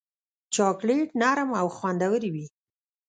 چاکلېټ نرم او خوندور وي.